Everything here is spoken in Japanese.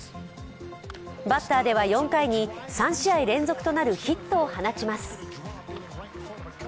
バッターでは４回に３試合連続となるヒットを放ちます。